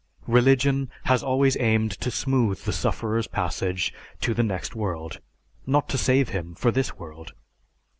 Religion has always aimed to smooth the sufferer's passage to the next world, not to save him for this world.